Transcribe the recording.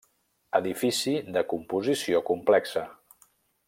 Edifici de composició complexa.